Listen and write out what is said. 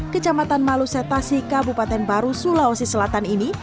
kecamatan malusetasi kabupaten baru sulawesi selatan ini